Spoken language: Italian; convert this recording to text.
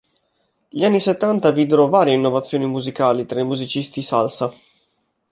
Gli anni settanta videro varie innovazioni musicali tra i musicisti salsa.